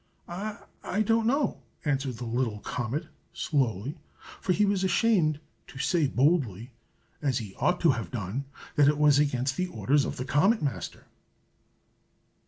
"I don't know!" answered the little comet, slowly, for he was ashamed to say boldly, as he ought to have done, that it was against the orders of the Comet Master.